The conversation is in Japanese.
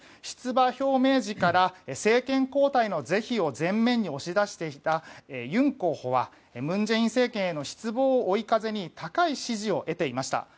出馬表明時から政権交代の是非を前面に押し出していた、ユン候補は文在寅政権への失望を追い風に高い支持を得ていました。